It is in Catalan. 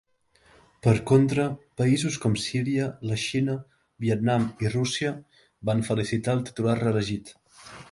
Per contra, països com Síria, la Xina, Vietnam, i Rússia van felicitar el titular reelegit.